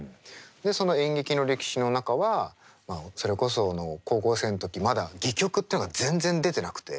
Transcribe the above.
その演劇の歴史の中はそれこそ高校生の時まだ戯曲っていうのが全然出てなくて。